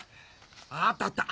あったあった！